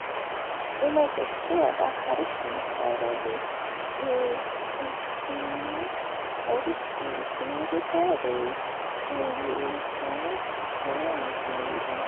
უმეტეს წილად აქ არის სიმღერები სტილტსკინის ორი სტუდიური და რეი უილსონის სოლო ალბომებიდან.